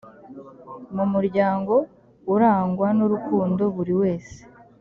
mu muryango urangwa n urukundo buri wese